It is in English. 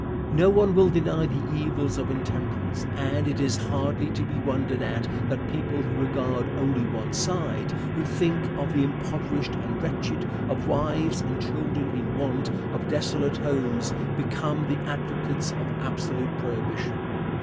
No one will deny the evils of intemperance, and it is hardly to be wondered at that people who regard only one side who think of the impoverished and wretched, of wives and children in want, of desolate homes become the advocates of absolute prohibition.